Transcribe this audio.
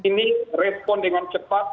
ini respon dengan cepat